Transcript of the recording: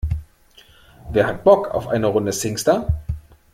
Wer hat Bock auf eine Runde Singstar?